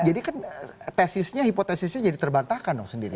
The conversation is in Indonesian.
kan tesisnya hipotesisnya jadi terbantahkan dong sendiri